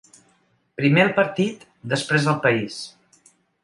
Primer el partit, després el país.